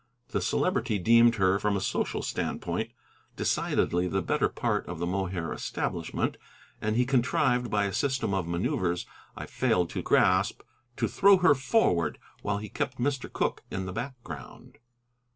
The Celebrity deemed her, from a social standpoint, decidedly the better part of the Mohair establishment, and he contrived, by a system of manoeuvres I failed to grasp, to throw her forward while he kept Mr. Cooke in the background.